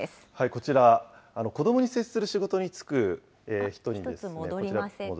こちら、子どもに接する仕事に就く人に。